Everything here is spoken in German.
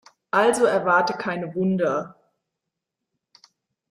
Also erwarte keine Wunder.